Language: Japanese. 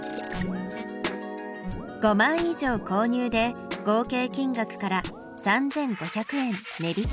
５枚以上購入で合計金額から３５００円値引き。